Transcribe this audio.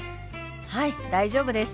はい大丈夫です。